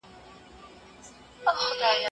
عملي ټولنپوهنه د ستونزو حل لاره ده.